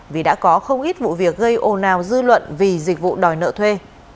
vì đã có không ít vụ việc gây ồn ào dư luận vì dịch vụ đòi nợ thuê